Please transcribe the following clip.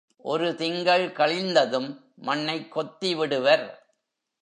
ஒரு திங்கள் கழிந்ததும், மண்ணைக் கொத்தி விடுவர்.